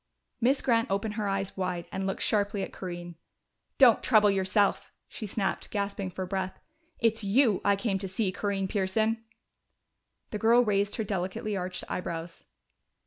Miss Grant opened her eyes wide and looked sharply at Corinne. "Don't trouble yourself!" she snapped, gasping for breath. "It's you I came to see, Corinne Pearson!" The girl raised her delicately arched eyebrows.